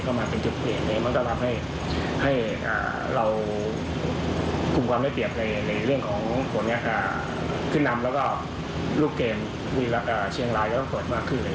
กล้องมาเป็นฝันโดยผลงาน